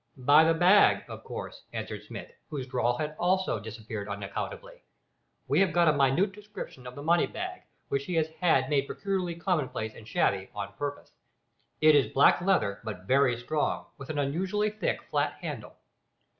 "By the bag, of course," answered Smith, whose drawl had also disappeared unaccountably; "we have got a minute description of the money bag which he has had made peculiarly commonplace and shabby on purpose. It is black leather but very strong, with an unusually thick flat handle."